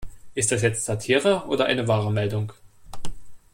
Ist das jetzt Satire oder eine wahre Meldung?